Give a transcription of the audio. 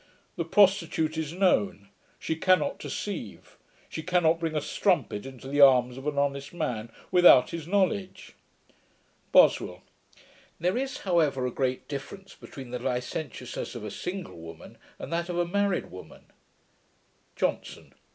The prostitute is known. She cannot deceive: she cannot bring a strumpet into the arms of an honest man, without his knowledge.' BOSWELL. 'There is, however, a great difference between the licentiousness of a single woman, and that of a married woman.' JOHNSON.